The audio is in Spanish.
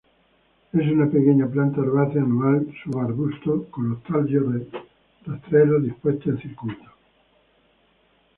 Es una pequeña planta herbácea anual, subarbusto con los tallos rastreros dispuestos en círculos.